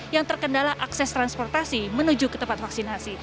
mengendalikan akses transportasi menuju ke tempat vaksinasi